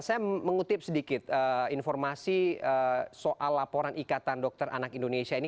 saya mengutip sedikit informasi soal laporan ikatan dokter anak indonesia ini